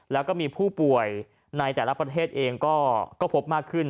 แล้วก็มีผู้ป่วยในแต่ละประเทศเองก็พบมากขึ้น